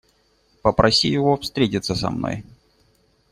Попроси его встретиться со мной.